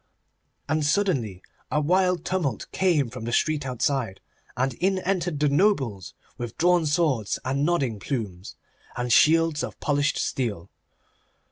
And suddenly a wild tumult came from the street outside, and in entered the nobles with drawn swords and nodding plumes, and shields of polished steel.